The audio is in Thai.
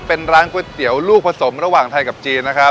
เป็นร้านก๋วยเตี๋ยวลูกผสมระหว่างไทยกับจีนนะครับ